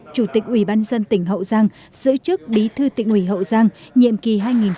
chủ tịch ủy ban dân tỉnh hậu giang giữ chức bí thư tỉnh ủy hậu giang nhiệm kỳ hai nghìn một mươi năm hai nghìn hai mươi